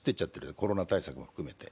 コロナ対策も含めて。